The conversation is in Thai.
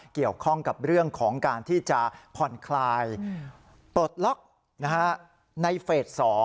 เกี่ยวข้องกับเรื่องของการที่จะผ่อนคลายปลดล็อกในเฟส๒